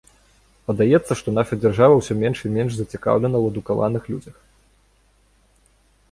Падаецца, што наша дзяржава ўсё менш і менш зацікаўлена ў адукаваных людзях.